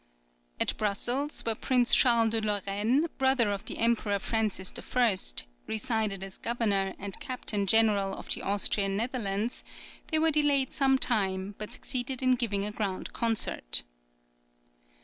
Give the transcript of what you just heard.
At Brussels, where Prince Charles of Lorraine, brother of the Emperor Francis I., resided as Governor and Captain General of the Austrian Netherlands, they were delayed some time, but succeeded in giving a grand concert.